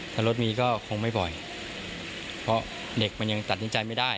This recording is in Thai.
ถ้ารถมีก็คงไม่บ่อยเพราะเด็กมันยังตัดสินใจไม่ได้